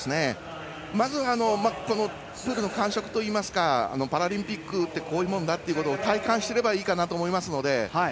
まず、プールの感触といいますかパラリンピックってこういうもんだというのを体感していればいいかなと思いますので。